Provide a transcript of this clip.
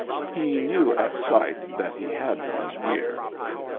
He knew at sight that he had one here.